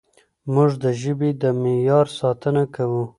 موږ د ژبې د معیار ساتنه کوو.